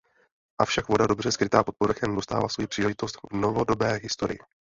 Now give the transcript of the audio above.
Avšak voda dobře skrytá pod povrchem dostává svoji příležitost v novodobé historii.